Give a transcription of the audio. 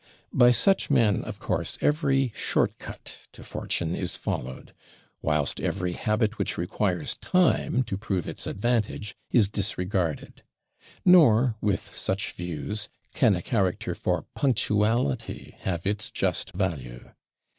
By such men, of course, every SHORT CUT to fortune is followed; whilst every habit, which requires time to prove its advantage, is disregarded; nor with such views can a character for PUNCTUALITY have its just value.